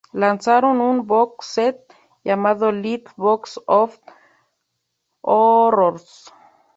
Lanzaron un box-set llamado Little Box of Horrors.